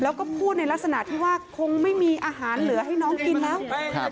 แล้วก็พูดในลักษณะที่ว่าคงไม่มีอาหารเหลือให้น้องกินแล้วใช่ครับ